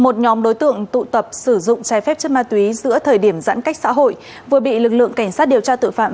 một nhóm đối tượng tụ tập sử dụng trái phép chất ma túy giữa thời điểm giãn cách xã hội vừa bị lực lượng cảnh sát điều tra tội phạm